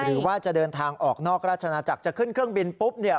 หรือว่าจะเดินทางออกนอกราชนาจักรจะขึ้นเครื่องบินปุ๊บเนี่ย